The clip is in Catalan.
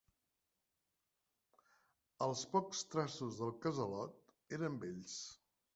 Els pocs trastos del casalot eren vells